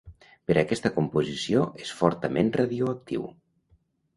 Per aquesta composició és fortament radioactiu.